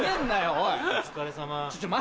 お疲れさま。